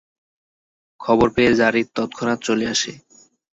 খবর পেয়ে যারীদ তৎক্ষণাৎ চলে আসে।